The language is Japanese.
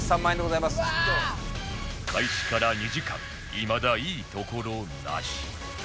開始から２時間いまだいいところなし